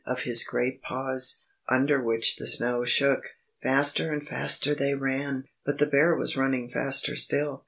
of his great paws, under which the snow shook. Faster and faster they ran! But the bear was running faster still.